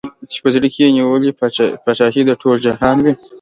چي په زړه کي یې نیولې پاچهي د ټول جهان وي